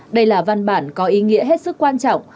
đây là văn bản có ý nghĩa hết sức quan trọng